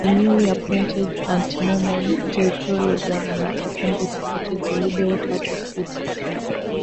The newly appointed anti-Mormon territorial governor openly supported the Liberal Party of Utah.